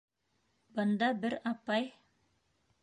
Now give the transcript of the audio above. Бында бер апай.